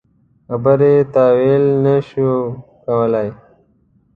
خبرې تاویل نه شو کولای.